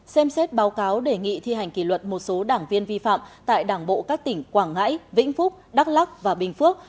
xem xét báo cáo đề nghị thi hành kỷ luật một số đảng viên vi phạm tại đảng bộ các tỉnh quảng ngãi vĩnh phúc đắk lắc và bình phước